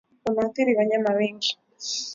Unaathiri wanyama wengi